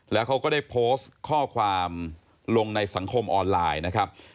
แล้วเขาก็ได้โพสต์ข้อความลงในสังคมออนไลน์นะครับ